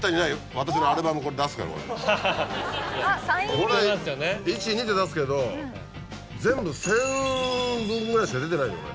これ＃１＃２で出すけど全部で１０００部ぐらいしか出てないのよこれ。